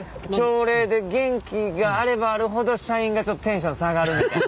朝礼で元気があればあるほど社員がちょっとテンション下がるみたいなね。